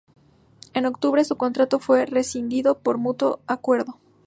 En octubre su contrato fue rescindido por mutuo acuerdo.